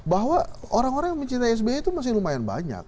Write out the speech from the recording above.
bahwa orang orang yang mencintai sby itu masih lumayan banyak